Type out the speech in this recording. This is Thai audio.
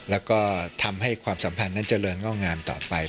แล้วก็ทำให้ความสัมพันธ์นั้นเจริญงอกงามต่อไป